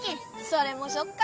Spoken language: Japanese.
それもそうか。